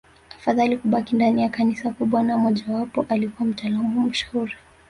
Afadhali kubaki ndani ya Kanisa kubwa na mmojawao alikuwa mtaalamu mashuhuri